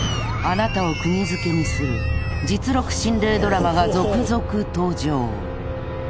［あなたを釘付けにする実録心霊ドラマが続々登場］